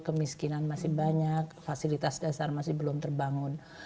kemiskinan masih banyak fasilitas dasar masih belum terbangun